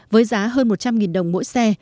với giá hơn một trăm linh đồng mỗi xe